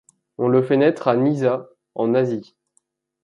On le fait naître à Nysa, en Asie.